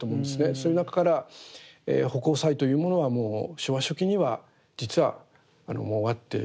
そういう中から葆光彩というものはもう昭和初期には実はもう終わって。